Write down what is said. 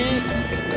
istri saya ngerengek